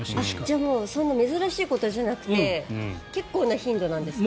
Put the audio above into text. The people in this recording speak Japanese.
じゃあそんなに珍しいことじゃなくて結構な頻度なんですか？